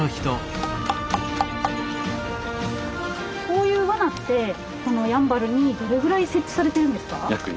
こういうワナってやんばるにどれぐらい設置されているんですか？